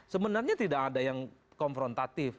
sebenarnya tidak ada yang konfrontatif